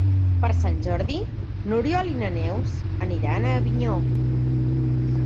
Per Sant Jordi n'Oriol i na Neus aniran a Avinyó.